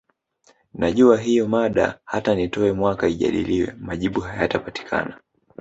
Najua hiyo mada hata nitowe mwaka ijadiliwe majibu hayatapatikana